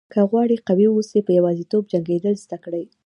که غواړئ قوي واوسئ په یوازیتوب جنګېدل زده کړئ.